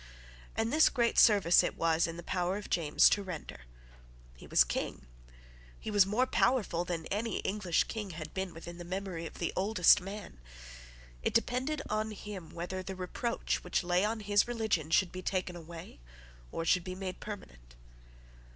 And this great service it was in the power of James to render. He was King. He was more powerful than any English King had been within the memory of the oldest man. It depended on him whether the reproach which lay on his religion should be taken away or should be made permanent.